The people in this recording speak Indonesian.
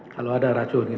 kalau ada racun gitu